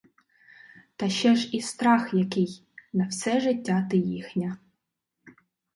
Та ще ж і страх який: на все життя ти їхня.